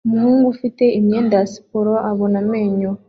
Umuhungu ufite imyenda ya siporo abona amenyo